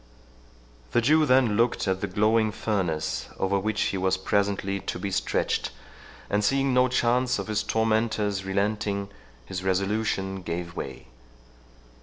The Jew then looked at the glowing furnace, over which he was presently to be stretched, and seeing no chance of his tormentor's relenting, his resolution gave way.